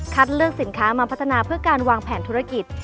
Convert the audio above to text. เลือกสินค้ามาพัฒนาเพื่อการวางแผนธุรกิจ